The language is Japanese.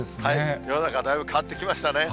世の中だいぶ変わってきましたね。